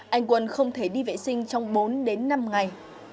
anh quân không thể đi vệ sinh trong bốn đến năm ngày